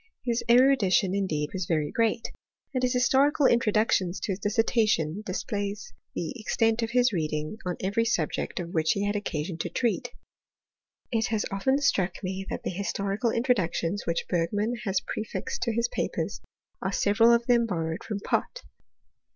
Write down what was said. His erudition, in deed, was very great ; and his historical introductions to his dissertation displays the extent of his reading on every subject of which he had occasion to treat. It has often struck me that the historical introductions which Bergmann has prefixed to his papers, are several of them borrowed from Pott.